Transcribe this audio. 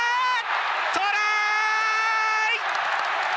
トライ！